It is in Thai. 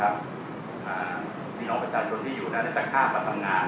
พี่น้องประชาชนที่อยู่นั้นจะข้ามมาทำงาน